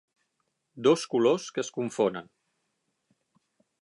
Dos colors que es confonen.